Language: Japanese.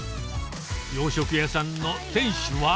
洋食屋さんの店主は。